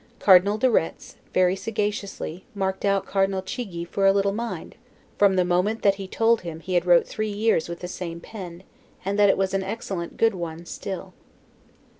Cardinal de Retz, very sagaciously, marked out Cardinal Chigi for a little mind, from the moment that he told him he had wrote three years with the same pen, and that it was an excellent good one still.